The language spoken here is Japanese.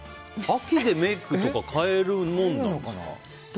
秋でメイクとか変えるもんなのかな。